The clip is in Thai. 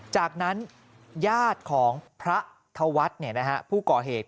จากนั้นญาติของพระธวัฒน์ผู้ก่อเหตุ